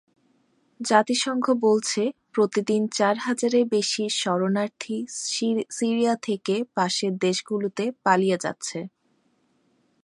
জাতিসংঘ বলছে, প্রতিদিন চার হাজারের বেশি শরণার্থী সিরিয়া থেকে পাশের দেশগুলোতে পালিয়ে যাচ্ছে।